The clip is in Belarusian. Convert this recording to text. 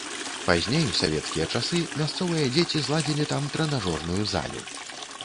Пазней, у савецкія часы мясцовыя дзеці зладзілі там трэнажорную залю.